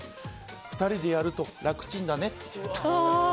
２人でやったら楽ちんだねって。